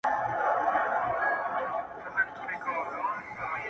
• معاش مو یو برابره مو حِصه ده,